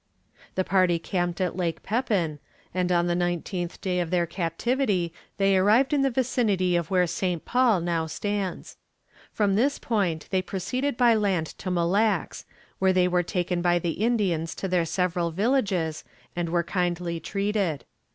The party camped at Lake Pepin, and on the nineteenth day of their captivity they arrived in the vicinity of where St. Paul now stands. From this point they proceeded by land to Mille Lacs, where they were taken by the Indians to their several villages, and were kindly treated.